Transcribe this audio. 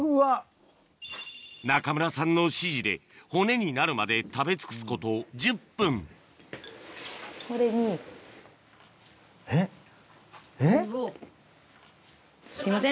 中村さんの指示で骨になるまで食べ尽くすこと１０分すいません